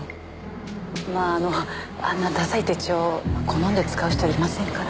まああのあんなダサい手帳好んで使う人いませんから。